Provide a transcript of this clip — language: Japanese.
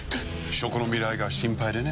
食の未来が心配でね。